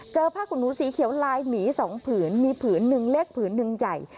ผ้าขนหนูสีเขียวลายหมี๒ผืนมีผืนหนึ่งเล็กผืนหนึ่งใหญ่